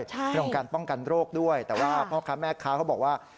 เรื่องของการป้องกันโรคด้วยแต่ว่าพ่อค้าแม่ค้าเขาบอกว่า